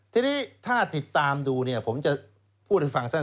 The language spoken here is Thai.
ทีนี้ถ้าติดตามดูเนี่ยผมจะพูดให้ฟังสั้น